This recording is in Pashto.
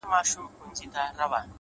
پرمختګ د تکرار نه ستړی کېدل دي؛